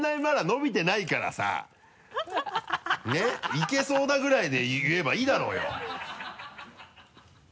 いけそうなぐらいで言えばいいだろうよ。